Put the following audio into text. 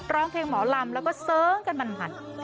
ร้องเพลงหมอลำแล้วก็เสิร์งกันมัน